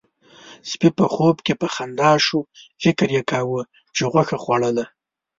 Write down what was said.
سپي په خوب کې په خندا شو، فکر يې کاوه چې غوښه خوړله.